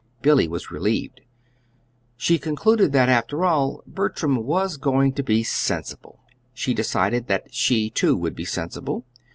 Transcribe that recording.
Billy was relieved. She concluded that, after all, Bertram was going to be sensible. She decided that she, too, would be sensible.